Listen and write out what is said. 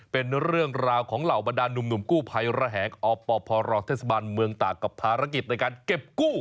เป็นเรื่องราวของเหล่าบรรดานหนุ่มกู้ภัยระแหงอปพรเทศบาลเมืองตากกับภารกิจในการเก็บกู้